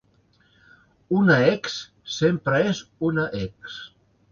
Una ex sempre és una ex.